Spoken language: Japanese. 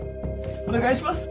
お願いします！